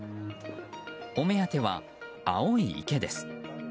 お目立ては、青い池です。